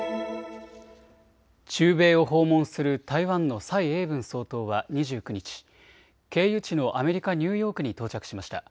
中米を訪問する台湾の蔡英文総統は２９日、経由地のアメリカ・ニューヨークに到着しました。